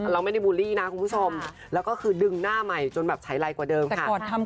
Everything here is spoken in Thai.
เราไม่ได้บูลลี่นะคุณผู้ชมแล้วก็คือดึงหน้าใหม่จนแบบใช้ไรกว่าเดิมค่ะ